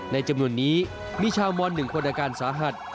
ในจำนวนนี้มีชาวมอน๑คนอาการสาหัส